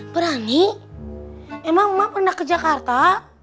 berani emang pernah ke jakarta